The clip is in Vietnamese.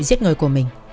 giết người của mình